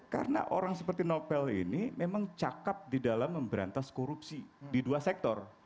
karena orang seperti novel ini memang cakap di dalam memberantas korupsi di dua sektor